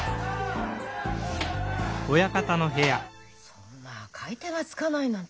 そんな買い手がつかないなんて。